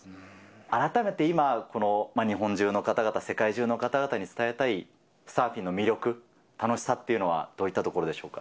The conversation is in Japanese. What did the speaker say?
改めて今、この日本中の方々、世界中の方々に伝えたいサーフィンの魅力、楽しさっていうのは、どういったところでしょうか？